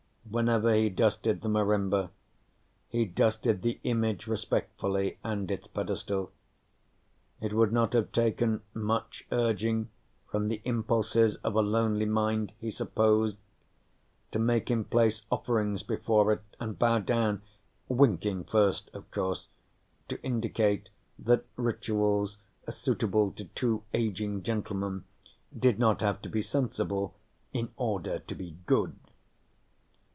Whenever he dusted the marimba, he dusted the image respectfully and its pedestal. It would not have taken much urging from the impulses of a lonely mind, he supposed, to make him place offerings before it and bow down winking first, of course, to indicate that rituals suitable to two aging gentlemen did not have to be sensible in order to be good.